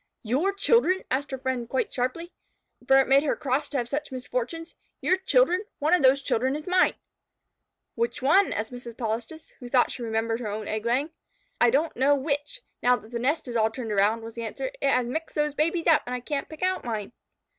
"Your children?" asked her friends quite sharply, for it made her cross to have such misfortunes. "Your children? One of those children is mine." "Which one?" asked Mrs. Polistes, who thought she remembered her own egg laying. "I don't know which, now that the nest is all turned around," was the answer. "It has mixed those babies up, and I can't pick out mine."